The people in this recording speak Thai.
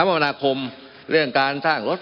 มันมีมาต่อเนื่องมีเหตุการณ์ที่ไม่เคยเกิดขึ้น